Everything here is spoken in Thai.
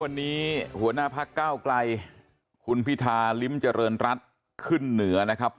วันนี้หัวหน้าพักเก้าไกลคุณพิธาลิ้มเจริญรัฐขึ้นเหนือนะครับ